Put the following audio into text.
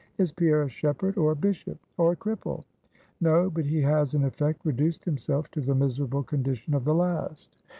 Is Pierre a shepherd, or a bishop, or a cripple? No, but he has in effect, reduced himself to the miserable condition of the last.